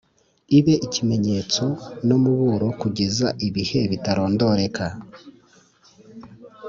ibe ikimenyetso n’umuburo kugeza ibihe bitarondoreka,